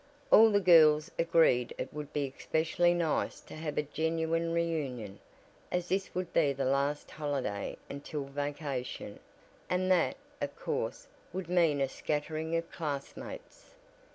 All the girls agreed it would be especially nice to have a genuine reunion, as this would be the last holiday until vacation, and that, of course, would mean a scattering of classmates.